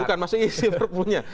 bukan maksudnya isi perpunya